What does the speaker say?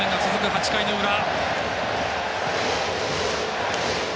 ８回の裏。